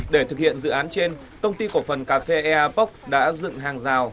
để thực hiện dự án trên công ty cổ phần cà phê eapok đã dựng hàng rào